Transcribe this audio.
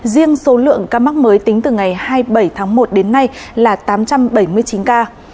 riêng số lượng ca mắc mới tính từ ngày hai mươi bảy tháng một đến nay là tám trăm bảy mươi chín ca